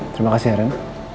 terima kasih ren